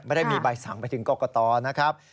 ไม่ได้มีใบสั่งไปถึงกรกตนะครับ